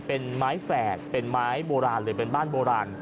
เป็นไม้แฝดเป็นไม้โบราณเลยเป็นบ้านโบราณ